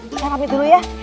yuk saya ambil dulu ya